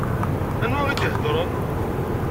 Anwa i d-iheddṛen?